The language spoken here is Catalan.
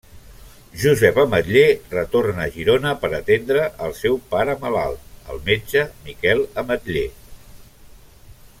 Josep Ametller retorna a Girona per atendre el seu pare malalt, el metge Miquel Ametller.